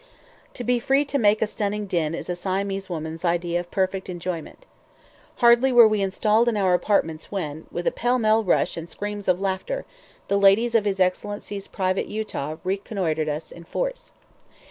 To be free to make a stunning din is a Siamese woman's idea of perfect enjoyment. Hardly were we installed in our apartments when, with a pell mell rush and screams of laughter, the ladies of his Excellency's private Utah reconnoitred us in force.